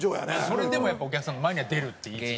それでもやっぱお客さんの前には出るって。